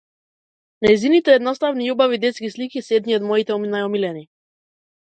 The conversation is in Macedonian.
Нејзините едноставни и убави детски слики се едни од моите најомилени.